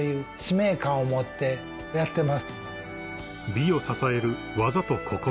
［美を支える技と心］